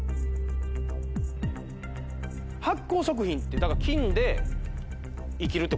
発酵食品ってだから。